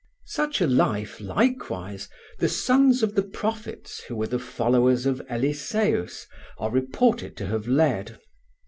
Such a life, likewise, the sons of the prophets who were the followers of Eliseus are reported to have led.